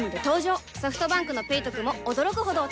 ソフトバンクの「ペイトク」も驚くほどおトク